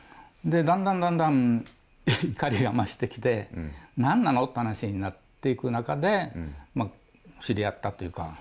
だんだん怒りが増してきて、何なのって話になっていく中で知り合ったというか。